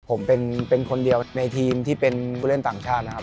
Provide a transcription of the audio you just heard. ผมเป็นคนเดียวในทีมที่เป็นผู้เล่นต่างชาตินะครับ